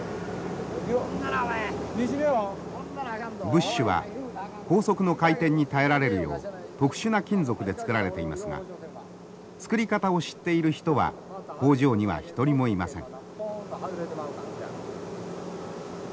ブッシュは高速の回転に耐えられるよう特殊な金属でつくられていますが作り方を知っている人は工場には一人もいません。